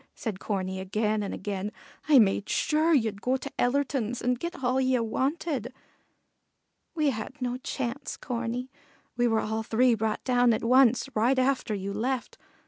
said Corney again and again. "I made sure ye'd go to Ellerton's and get all ye wanted." "We had no chance, Corney; we were all three brought down at once, right after you left.